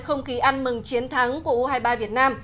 không khí ăn mừng chiến thắng của u hai mươi ba việt nam